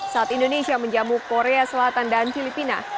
saat indonesia menjamu korea selatan dan filipina